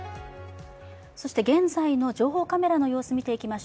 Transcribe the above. そして現在の情報カメラの様子見ていきいます。